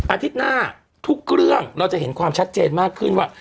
อาทิตย์หน้าทุกเรื่องเราจะเห็นความชัดเจนมากขึ้นว่า